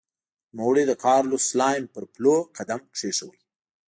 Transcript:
نوموړي د کارلوس سلایم پر پلونو قدم کېښود.